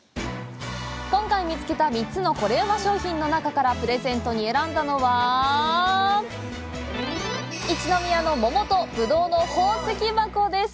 今回見つけた３つのコレうま商品の中からプレゼントに選んだのは一宮の桃とぶどうの宝石箱です！